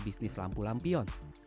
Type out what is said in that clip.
bisnis lampu lampion